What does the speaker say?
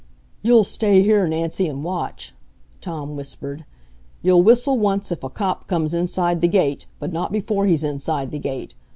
"You'll stay here, Nancy, and watch," Tom whispered. "You'll whistle once if a cop comes inside the gate, but not before he's inside the gate.